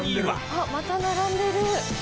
「あっまた並んでる！」